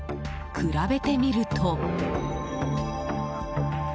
比べてみると。